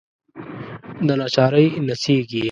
دناچارۍ نڅیږې